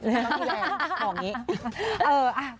แต่ฉันต้องมีแรงบอกอย่างนี้